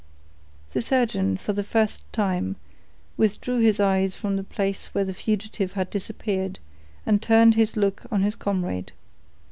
The surgeon, for the first time, withdrew his eyes from the place where the fugitive had disappeared, and turned his look on his comrade.